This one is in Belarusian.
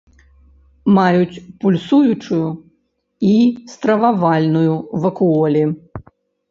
Маюць пульсуючую і стрававальную вакуолі.